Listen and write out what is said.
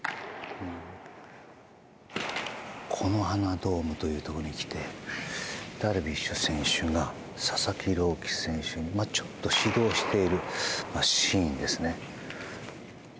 木の花ドームに来てダルビッシュ選手が佐々木朗希選手をちょっと指導しているシーンですね。